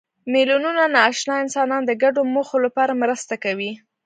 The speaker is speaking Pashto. میلیونونه ناآشنا انسانان د ګډو موخو لپاره مرسته کوي.